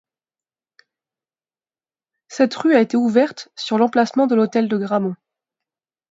Cette rue a été ouverte sur l'emplacement de l'hôtel de Gramont.